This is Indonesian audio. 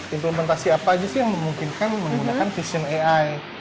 implementasi apa aja sih yang memungkinkan menggunakan vision ai